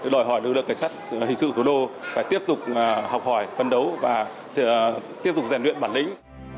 đòi hỏi lực lượng cảnh sát hình sự thủ đô phải tiếp tục học hỏi phân đấu và tiếp tục rèn luyện bản lĩnh